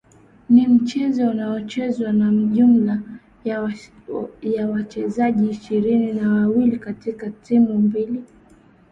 ni mchezo unaochezwa na jumla ya wachezaji ishirini na wawili katika timu mbili